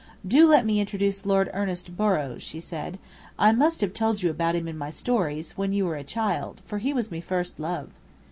"Do let me introduce Lord Ernest Borrow," she said. "I must have told you about him in my stories, when you were a child, for he was me first love."